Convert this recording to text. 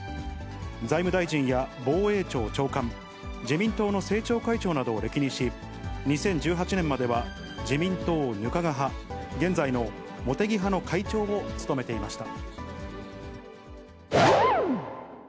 財務大臣や防衛庁長官、自民党の政調会長などを歴任し、２０１８年までは自民党額賀派、現在の茂木派の会長を務めていました。